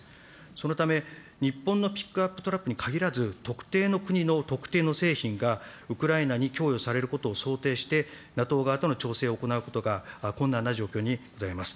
そのため、日本のピックアップトラックに限らず、特定の国の特定の製品がウクライナに供与されることを想定して、ＮＡＴＯ側との調整を行うことが困難な状況にございます。